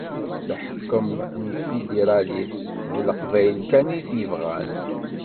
Leḥkem n tfidiralit d Leqbayel kan i t-yebɣan.